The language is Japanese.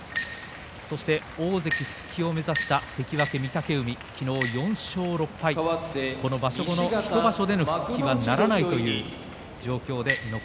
そして大関復帰を目指した関脇御嶽海昨日、４勝６敗この場所後の１場所での大関復帰はならないという状況です。